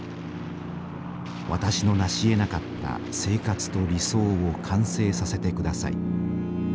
私のなしえなかった生活と理想を完成させてください。